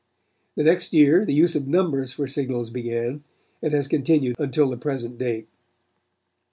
The next year the use of numbers for signals began, and has continued until the present date.